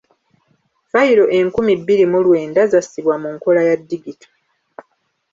Fayiro enkumi bbiri mu lwenda zassibwa mu nkola ya digito.